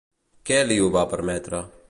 Què li ho va permetre?